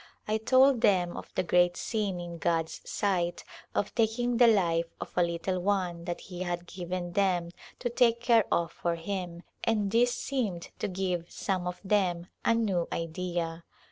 I told them of the great sin in God's sight of taking the life of a little one that He had given them to take care of for Him, and this seemed to give some of them a new idea.